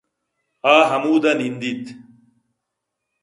آ ہمودا نندیت